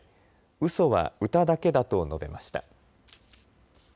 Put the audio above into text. うそは歌だけだと述べました。